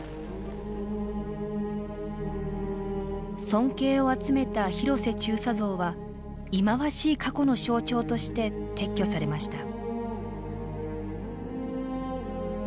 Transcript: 尊敬を集めた広瀬中佐像は忌まわしい過去の象徴として撤去されました。